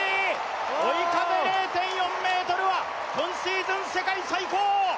追い風０．４ｍは今シーズン世界最高！